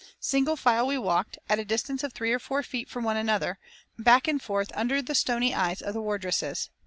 Single file we walked, at a distance of three or four feet from one another, back and forth under the stony eyes of the wardresses.